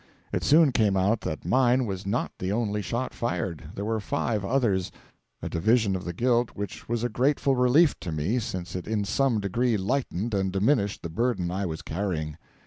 It soon came out that mine was not the only shot fired; there were five others a division of the guilt which was a grateful relief to me, since it in some degree lightened and diminished the burden I was carrying.